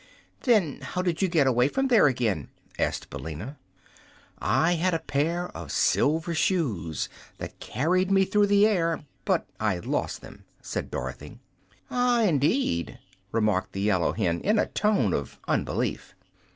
"Then how did you get away from there again?" asked Billina. "I had a pair of silver shoes, that carried me through the air; but I lost them," said Dorothy. "Ah, indeed," remarked the yellow hen, in a tone of unbelief.